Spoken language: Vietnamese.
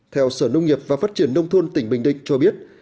theo sở nông nghiệp và phát triển nông thôn tỉnh bình định cho biết